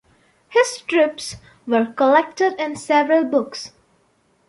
His strips were collected in several books.